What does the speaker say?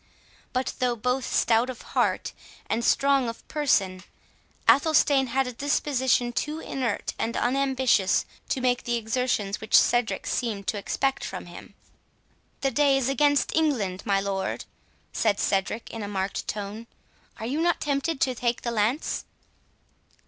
But, though both stout of heart, and strong of person, Athelstane had a disposition too inert and unambitious to make the exertions which Cedric seemed to expect from him. "The day is against England, my lord," said Cedric, in a marked tone; "are you not tempted to take the lance?"